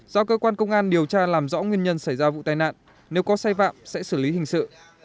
do cơ quan công an điều tra làm rõ nguyên nhân xảy ra vụ tai nạn nếu có sai vạm sẽ xử lý hình sự